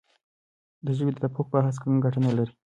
د ژبې د تفوق بحث ګټه نه لري.